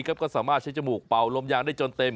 ก็สามารถใช้จมูกเป่าลมยางได้จนเต็ม